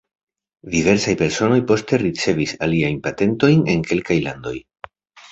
Diversaj personoj poste ricevis aliajn patentojn en kelkaj landoj.